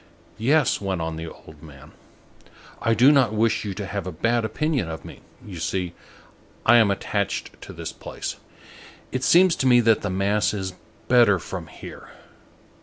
"Yes!" went on the old man, "I do not wish you to have a bad opinion of me. You see, I am attached to this place. It seems to me that the mass is better from here.